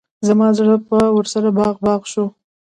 زما زړه به ورسره باغ باغ شو.